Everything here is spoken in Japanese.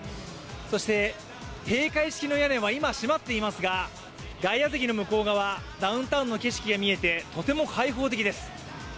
そして閉会式の屋根は今、閉まっていますが外野席の向こう側、ダウンタウンの景色が見えてとても開放的です。